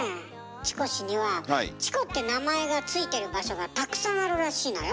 チコ市にはチコって名前が付いてる場所がたくさんあるらしいのよ。